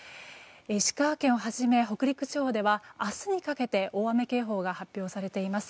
石川県をはじめ北陸地方では明日にかけて大雨警報が発表されています。